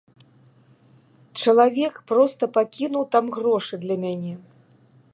Чалавек проста пакінуў там грошы для мяне.